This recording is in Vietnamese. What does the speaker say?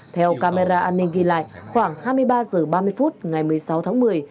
theo camera an ninh ghi lại khoảng hai mươi ba h ba mươi phút ngày một mươi sáu tháng một mươi